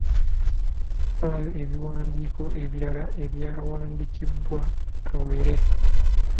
Mpaayo ebiwandiiko ebirala ebyawandiikibwa Kawere?